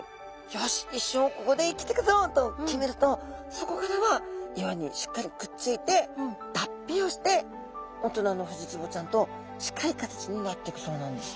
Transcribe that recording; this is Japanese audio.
「よし一生ここで生きてくぞ」と決めるとそこからは岩にしっかりくっついて脱皮をして大人のフジツボちゃんと近い形になっていくそうなんです。